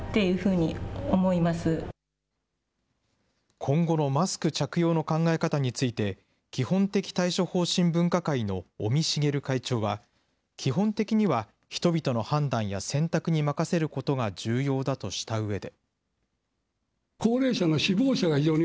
今後のマスク着用の考え方について、基本的対処方針分科会の尾身茂会長は、基本的には人々の判断や選択に任せることが重要だとしたうえで。